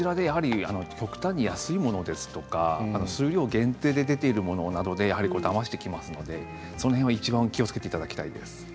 極端に安いものですとか数量限定で出ているものなどでだましてきますのでその辺は、いちばん気をつけていただきたいです。